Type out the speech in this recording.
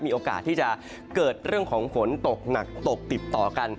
มีโอกาสที่จะเกิดเรื่องของฝนตกหนักตกติดต่อกัน